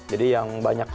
jadi yang banyak